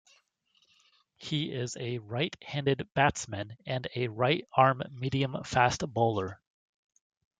He is a right-handed batsman and a right-arm medium-fast bowler.